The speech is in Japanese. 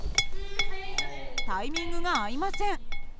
タイミングが合いません。